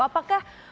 apakah perlu edukasi